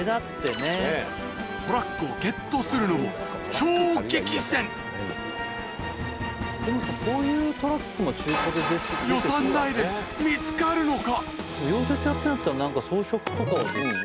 トラックをゲットするのも超激戦予算内で見つかるのか？